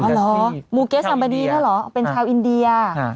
อ๋อเหรอมูเกสอัมบานีน่ะเหรอเป็นชาวอินเดีย